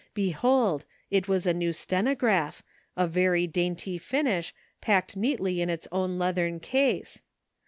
Behold, it was a new stenograph, of very dainty finish, packed neatly in its own leathern case